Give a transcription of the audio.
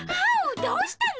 どうしたの？